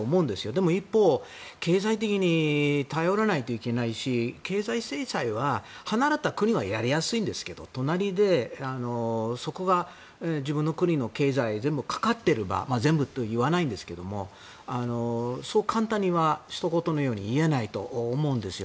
でも一方、経済的に頼らないといけないし経済制裁は離れた国はやりやすいんですけど隣で自分の国の経済に関わっていれば全部とはいわないんですけどもそう簡単にはひとごとのように言えないと思うんですよ。